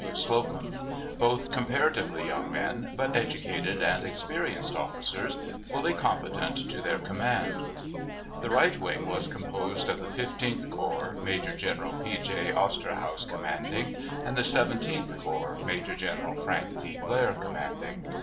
W. Slocum, both comparatively young men, but educated and experienced officers, fully competent to their command. The right wing was composed of the Fifteenth Corps, Major General P. J. Osterhaus commanding, and the Seventeenth Corps, Major General Frank P. Blair commanding.